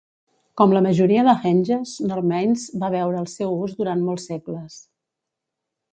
Com la majoria de henges North Mains va veure el seu ús durant molts segles.